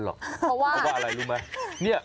เพราะว่าเพราะว่าอะไรลึกมั้ย